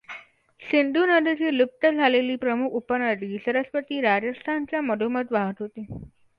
सिंधू नदीची लुप्त झालेली प्रमुख उपनदी सरस्वती राजस्थानच्या मधोमध वाहत होती.